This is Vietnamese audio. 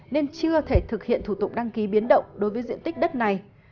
nên chưa thể thực hiện thủ tục đăng ký biến động đối với diện tích đất này